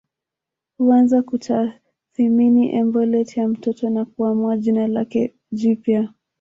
Huanza kutathimini embolet ya mtoto na kuamua jina lake jipya